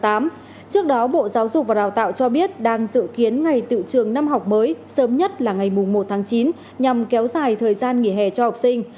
trước đó bộ giáo dục và đào tạo cho biết đang dự kiến ngày tự trường năm học mới sớm nhất là ngày một tháng chín nhằm kéo dài thời gian nghỉ hè cho học sinh